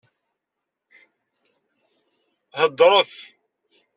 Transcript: Hedṛet!